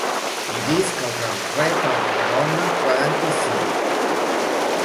I visc al carrer Tarragona quaranta-cinc.